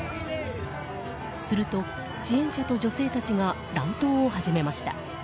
すると、支援者と女性たちが乱闘を始めました。